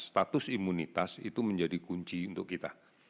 status imunitas itu menjadi kunci untuk kita